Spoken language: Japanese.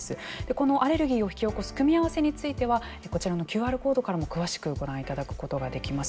このアレルギーを引き起こす組み合わせについてはこちらのＱＲコードからも詳しくご覧いただくことができます。